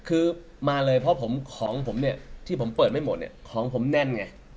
คือมาเลยเพราะผมของผมเนี่ยที่ผมเปิดไม่หมดเนี่ยของผมแน่นไง